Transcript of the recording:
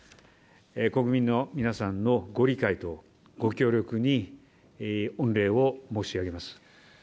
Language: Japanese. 国民の皆さんのご理解とご協力に御礼を申し上げます。